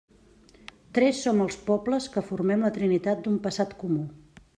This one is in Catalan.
Tres som els pobles que formem la trinitat d'un passat comú.